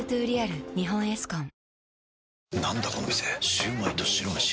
シュウマイと白めし。